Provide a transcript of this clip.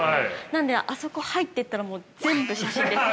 なので、あそこ入っていったら全部写真です。